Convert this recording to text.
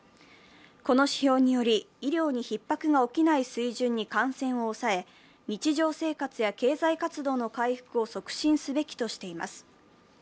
この指標により、医療にひっ迫が起きない水準に感染を抑え、日常生活や経済活動の回復を促進すべきとしています。